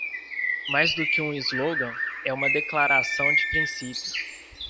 Mais do que um slogan, é uma declaração de princípios.